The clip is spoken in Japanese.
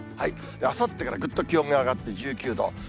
あさってからぐっと気温が上がって１９度。